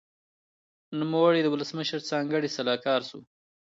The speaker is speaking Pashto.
نوموړي د ولسمشر ځانګړی سلاکار شو.